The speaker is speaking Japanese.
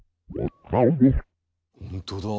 ほんとだ。